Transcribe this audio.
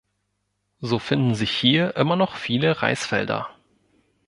So finden sich hier immer noch viele Reisfelder.